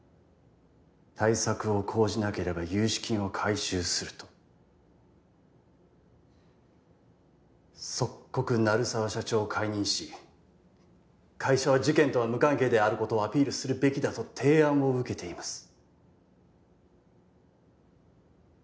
対策を講じなければ融資金を回収すると即刻鳴沢社長を解任し会社は事件とは無関係であることをアピールするべきだと提案を受けています